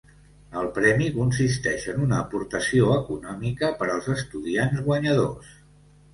El premi consisteix en una aportació econòmica per als estudiants guanyadors.